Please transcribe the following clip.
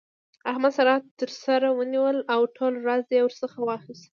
احمد؛ سارا تر سر ونيوله او ټول راز يې ورڅخه واخيست.